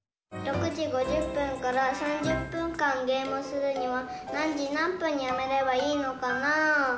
６時５０分から３０分間ゲームするには何時何分にやめればいいのかなぁ？